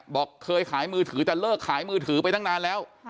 บอกเคยขายมือถือแต่เลิกขายมือถือไปตั้งนานแล้ว